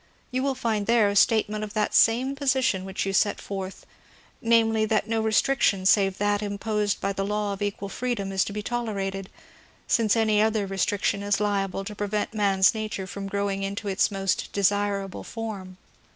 You will find there a statement of that same position which you set; forth, namely, that no restriction save that imposed by the law of equal freedom is to be tolerated, since any other restriction is liable to prevent man's nature from growing into its most desirable form.